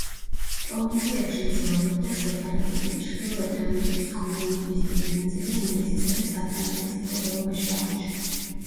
პროვინციებში მძლავრობდა სეპარატიზმი, ჩრდილოეთ ამერიკის კოლონიების დიდი ნაწილი ინგლისისა და საფრანგეთის მფლობელობაში აღმოჩნდა.